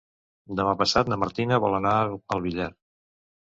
Demà passat na Martina vol anar al Villar.